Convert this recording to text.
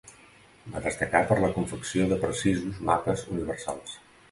Va destacar per la confecció de precisos mapes universals.